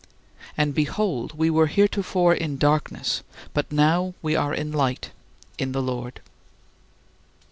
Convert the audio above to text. And behold, we were heretofore in darkness, but now we are light in the Lord.